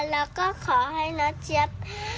และขอให้นาเจี๊ยบ